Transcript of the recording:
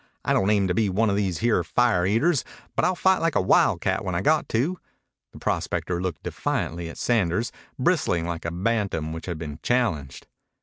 I don't aim to be one of these here fire eaters, but I'll fight like a wildcat when I got to." The prospector looked defiantly at Sanders, bristling like a bantam which has been challenged.